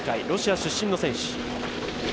ロシア出身の選手。